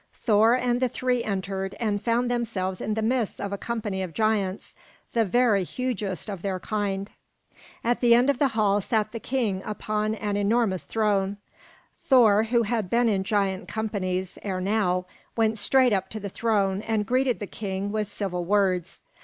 Thor and the three entered, and found themselves in the midst of a company of giants, the very hugest of their kind. At the end of the hall sat the king upon an enormous throne. Thor, who had been in giant companies ere now, went straight up to the throne and greeted the king with civil words.